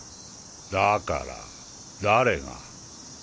だから誰が？